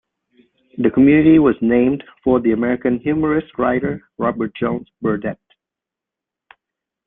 The community was named for the American humorist writer Robert Jones Burdette.